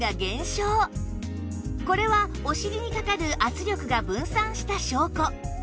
これはお尻にかかる圧力が分散した証拠